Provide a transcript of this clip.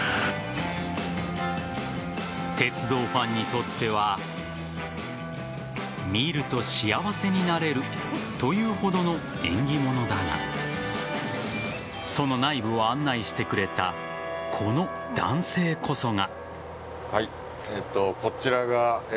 鉄道ファンにとっては見ると幸せになれるというほどの縁起物だがその内部を案内してくれたこの男性こそが。